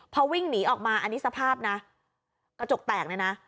พอวิ่งหนีออกมาอันนี้สภาพนะกระจกแตกเลยนะ